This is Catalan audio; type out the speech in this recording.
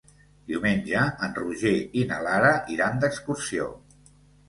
Diumenge en Roger i na Lara iran d'excursió.